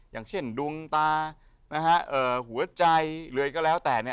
อย่างเช่นดวงตาหัวใจหรืออะไรก็แล้ว